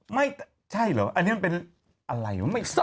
ไม่ใช่เหรออันนี้มันเป็นอะไร